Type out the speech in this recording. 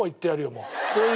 もう。